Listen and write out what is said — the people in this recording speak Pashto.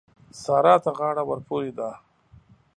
سارا ته غاړه ورپورې ده.